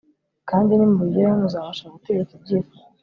kandi nimubigeraho muzabasha gutegeka ibyifuzo